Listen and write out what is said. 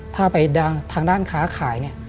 ถ้าไปทางด้านค้าขาย